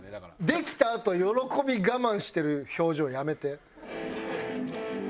できたあと喜び我慢してる表情やめて。